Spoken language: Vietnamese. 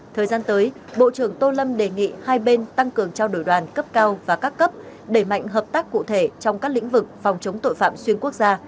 thời gian tới bộ trưởng tô lâm đề nghị hai bên tăng cường trao đổi đoàn cấp cao và các cấp đẩy mạnh hợp tác cụ thể trong các lĩnh vực phòng chống tội phạm xuyên quốc gia